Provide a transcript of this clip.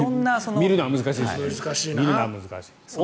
見るのは難しいですね。